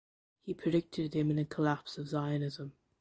He predicted the imminent collapse of Zionism.